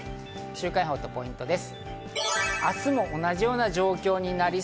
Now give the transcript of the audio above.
週間予報とポイントです。